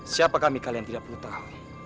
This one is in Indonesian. siapa kami kalian tidak perlu tahu